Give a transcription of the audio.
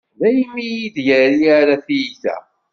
Daymi ur iyi-d-yerri ara tiyita.